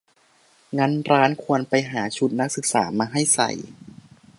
งั้นร้านควรไปหาชุดนักศึกษามาให้ใส่